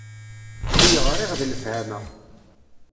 I yeɣriɣ d lefhama.